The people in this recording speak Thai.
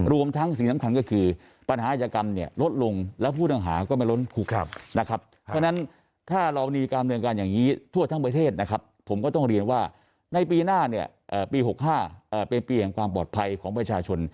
รวมทั้งสิ่งสำคัญก็คือปัญหาอาจกรรมเนี่ยลดลงแล้วผู้ต้องหาก็ไม่ล้นคุกนะครับเพราะฉะนั้นถ้าเรามีการเมืองการอย่างนี้ทั่วทั้งประเทศนะครับผมก็ต้องเรียนว่าในปีหน้าเนี่ยปี๖๕เป็นปีแห่งความปลอดภัยของประชาชน